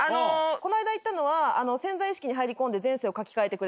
この間行ったのは潜在意識に入り込んで。